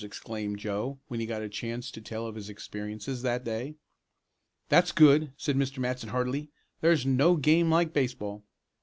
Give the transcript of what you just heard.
exclaimed Joe, when he got a chance to tell of his experiences that day. "That's good," said Mr. Matson heartily. "There's no game like baseball."